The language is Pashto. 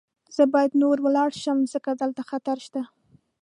زه باید نوره ولاړه شم، ځکه دلته خطر شته.